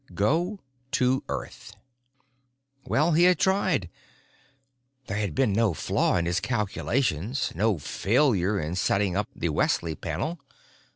Go to Earth. Well, he had tried. There had been no flaw in his calculations, no failure in setting up the Wesley panel.